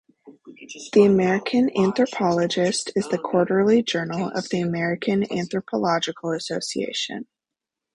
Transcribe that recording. "The "American Anthropologist" is the quarterly journal of the American Anthropological Association.